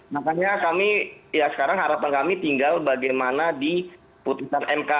makanya kami ya sekarang harapan kami tinggal bagaimana di putusan mk